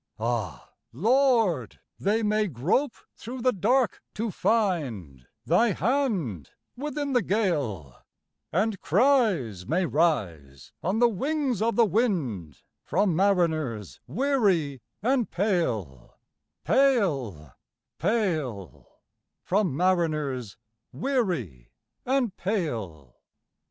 Ah, Lord! they may grope through the dark to find Thy hand within the gale; And cries may rise on the wings of the wind From mariners weary and pale, pale, pale From mariners weary and pale!